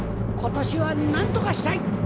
今年はなんとかしたい！